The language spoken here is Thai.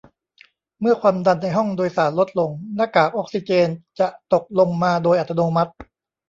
เมื่อความดันในห้องโดยสารลดลงหน้ากากออกซิเจนจะตกลงมาโดยอัตโนมัติ